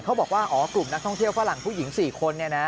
เขาบอกว่าอ๋อกลุ่มนักท่องเที่ยวฝรั่งผู้หญิง๔คน